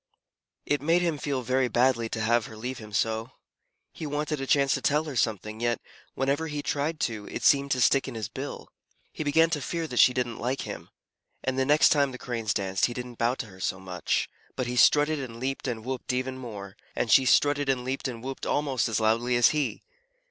It made him feel very badly to have her leave him so. He wanted a chance to tell her something, yet, whenever he tried to, it seemed to stick in his bill. He began to fear that she didn't like him; and the next time the Cranes danced he didn't bow to her so much, but he strutted and leaped and whooped even more. And she strutted and leaped and whooped almost as loudly as he.